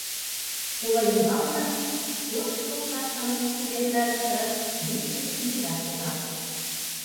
Ола ӱмбалне шошо толшашым увертарыше вишкыде тӱтыра шога.